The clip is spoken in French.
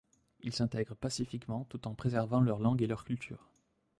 Ils s’intègrent pacifiquement, tout en préservant leur langue et leur culture.